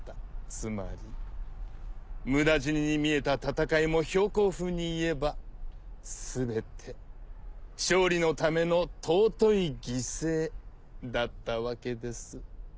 つまり無駄死にに見えた戦いも公風に言えば全て勝利のための尊い犠牲だったわけです。